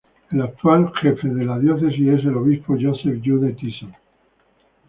El actual jefe de la Diócesis es el Obispo Joseph Jude Tyson.